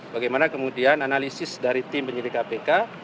bagaimana kemudian analisis dari tim penyidik kpk